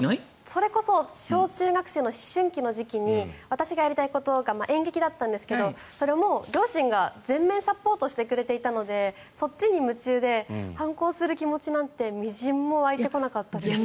それこそ小中学生の思春期の時期に私がやりたいことが演劇だったんですけどそれも両親が全面サポートしてくれていたのでそっちに夢中で反抗する気持ちなんてみじんも湧いてこなかったです。